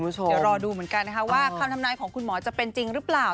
เดี๋ยวรอดูเหมือนกันนะคะว่าคำทำนายของคุณหมอจะเป็นจริงหรือเปล่า